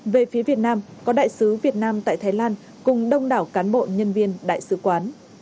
về phía việt nam có đại sứ việt nam tại thái lan cùng đông đảo cán bộ nhân viên đại sứ quán